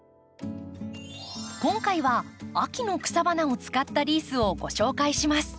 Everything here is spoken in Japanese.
今回は秋の草花を使ったリースをご紹介します。